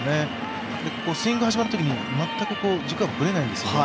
スイング始まるときに全く軸がぶれないんですね。